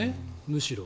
むしろ。